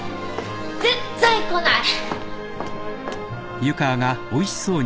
絶対来ない！